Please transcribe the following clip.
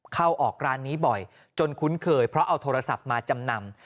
เข้าออกร้านนี้บ่อยจนคุ้นเคยเพราะเอาโทรศัพท์มาจำนำ